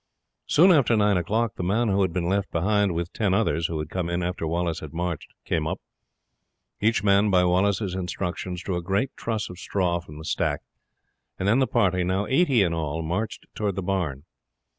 Soon after nine o'clock the man who had been left behind, with ten others, who had come in after Wallace had marched, came up. Each man, by Wallace's directions, drew a great truss of straw from the stack, and then the party, now eighty in all, marched toward the barn.